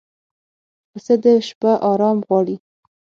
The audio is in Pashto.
پسه د شپه آرام غواړي.